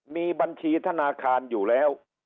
มีบัญชีธนาคารอยู่แล้ว